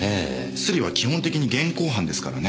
スリは基本的に現行犯ですからね。